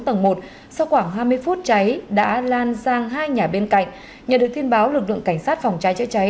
tầng một sau khoảng hai mươi phút cháy đã lan sang hai nhà bên cạnh nhờ được tin báo lực lượng cảnh sát phòng cháy chữa cháy